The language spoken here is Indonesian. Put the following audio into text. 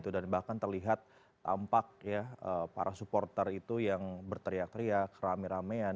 dan bahkan terlihat tampak para supporter itu yang berteriak teriak rame ramean